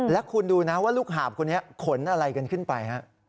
แล้วคุณดูนะว่าลูกหาบคนนี้ขนอะไรกันขึ้นไป